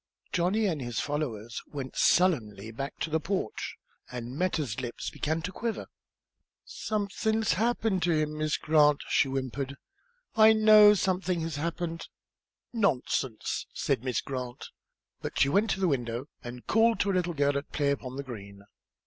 Johnny and his followers went sullenly back to the porch, and Meta's lip began to quiver. "Somethin's happened to him, Miss Grant," she whimpered; "I know somethin' has happened!" "Nonsense," said Miss Grant. But she went to the window and called to a little girl at play upon the green.